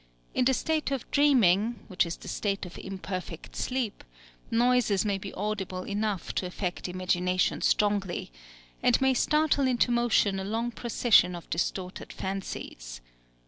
In the state of dreaming, which is the state of imperfect sleep, noises may be audible enough to affect imagination strongly, and may startle into motion a long procession of distorted fancies.